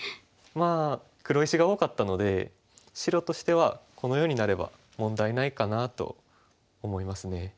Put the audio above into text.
まあ黒石が多かったので白としてはこのようになれば問題ないかなと思いますね。